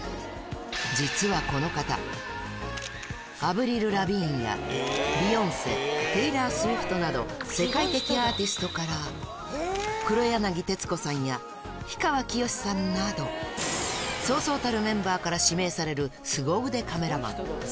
実はこの方、アヴリル・ラヴィーンや、ビヨンセ、テイラー・スウィフトなど、世界的アーティストから、黒柳徹子さんや氷川きよしさんなど、そうそうたるメンバーから指名されるすご腕カメラマン。